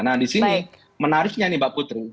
nah disini menariknya nih mbak putri